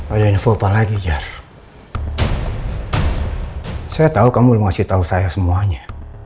ada info apa lagi jar saya tahu kamu masih tahu saya semuanya